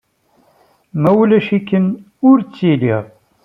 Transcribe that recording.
Ma ulac-ikem, ur ttiliɣ.